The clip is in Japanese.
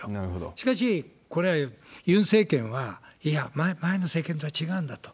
しかし、これ、ユン政権は、いや、前の政権とは違うんだと。